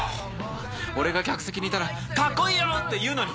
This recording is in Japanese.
俺が客席にいたら「カッコいいよ！」って言うのに。